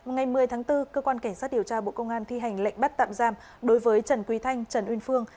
ngày một mươi tháng bốn cơ quan cảnh sát điều tra bộ công an thi hành lệnh bắt tạm giam đối với trần quý thanh trần uyên phương